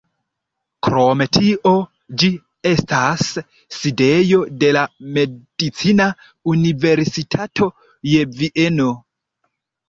Krom tio ĝi estas sidejo de la medicina universitato je Vieno.